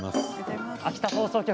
秋田放送局